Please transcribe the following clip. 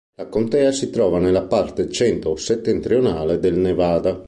La contea si trova nella parte centro-settentrionale del Nevada.